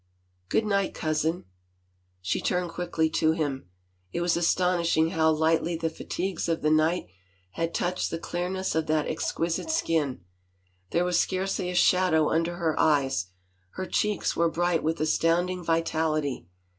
" Good night, cousin." She turned quickly to him. It was astonishing how lightly the fatigues of the night had touched the clear ness of that exquisite skin. There was scarcely a shadow under her eyes, her cheeks were bright with astounding vitality.